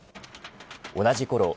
同じころ